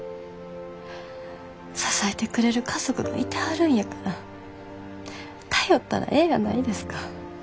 支えてくれる家族がいてはるんやから頼ったらええやないですか。